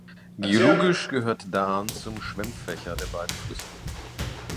Geologisch gehört Da’an zum Schwemmfächer der beiden Flüsse.